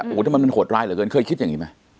โอ้โหถ้ามันเป็นโหดร้ายเหรอเกินเคยคิดอย่างงี้ไหม